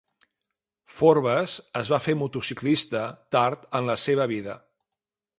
Forbes es va fer motociclista tard en la seva vida.